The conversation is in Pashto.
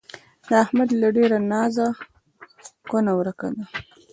د احمد له ډېره نازه کونه ورکه ده